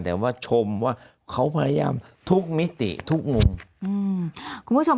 แต่ว่าชมว่าเขาพยายามทุกมิติทุกมุม